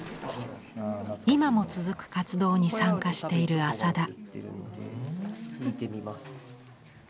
今も続く活動に参加している浅田。